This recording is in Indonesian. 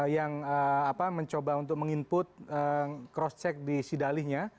yang mencoba untuk meng input cross check di sidalihnya